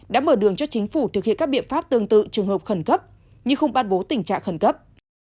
đã mở đường cho chính phủ thực hiện các biện pháp tương tự trường hợp khẩn cấp nhưng không ban bố tình trạng khẩn cấp